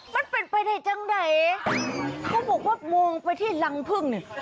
มันเป็นไปได้จังไหนเขาบอกว่ามองไปที่รังพึ่งเนี่ย